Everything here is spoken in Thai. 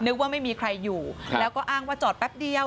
ว่าไม่มีใครอยู่แล้วก็อ้างว่าจอดแป๊บเดียว